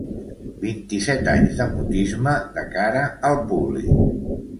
Vint-i-set anys de mutisme de cara al públic.